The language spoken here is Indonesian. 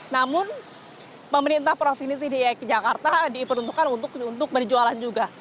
namun pemerintah provinsi dki jakarta diperuntukkan untuk berjualan juga